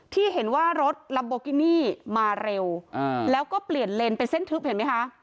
ที่เห็นว่ารถลัมโบกินี่มาเร็วแล้วก็เปลี่ยนเลนเป็นเส้นทึบเห็นไหมคะ